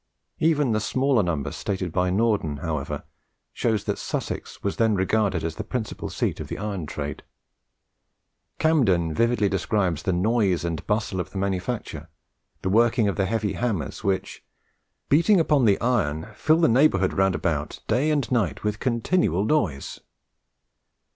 Even the smaller number stated by Norden, however, shows that Sussex was then regarded as the principal seat of the iron trade. Camden vividly describes the noise and bustle of the manufacture the working of the heavy hammers, which, "beating upon the iron, fill the neighbourhood round about, day and night, with continual noise."